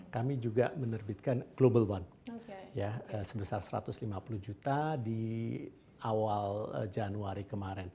kami juga menerbitkan global bond sebesar satu ratus lima puluh juta di awal januari kemarin